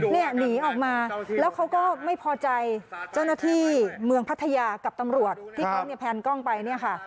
นี่หนีออกมาแล้วเขาก็ไม่พอใจเจ้าหน้าที่เมืองพัทยากับตำรวจที่เขาเนี่ยแพนกล้องไปเนี่ยค่ะ